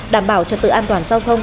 đảm bảo trật tự an toàn giao thông